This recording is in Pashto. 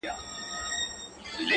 چی تل پایی باک یې نسته له ژوندونه!.